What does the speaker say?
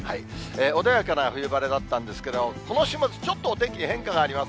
穏やかな冬晴れだったんですけど、この週末、ちょっとお天気、変化があります。